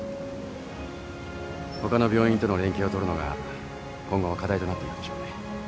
他の病院との連携を取るのが今後は課題となっていくでしょうね。